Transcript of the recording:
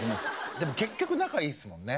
でも結局仲いいですもんね。